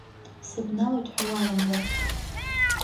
Сыбналоит ҳәа уаламган.